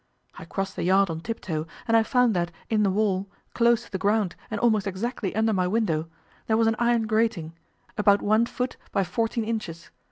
I crossed the yard on tiptoe, and I found that in the wall, close to the ground and almost exactly under my window, there was an iron grating, about one foot by fourteen inches.